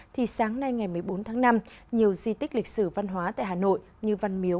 thì sáng nay ngày một mươi bốn tháng năm nhiều di tích lịch sử văn hóa tại hà nội như văn miếu